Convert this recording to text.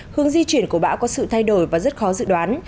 hướng di chuyển của bão có sự thay đổi và rất khó dự đoán